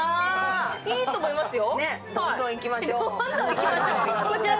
いいと思いますよ。